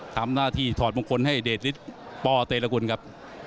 ทำหน้าที่ถอดโมงคลให้เด็ดลิตต่อเตรียมละกุลครับ